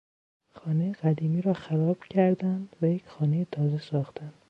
خانهی قدیمی را خراب کردند و یک خانهی تازه ساختند.